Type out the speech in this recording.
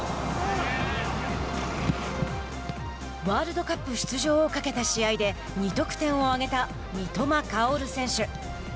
ワールドカップ出場を懸けた試合で２得点を挙げた三笘薫選手。